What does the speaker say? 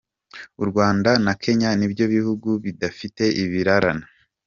U Rwanda na Kenya nibyo bihugu bidafite ibirarane.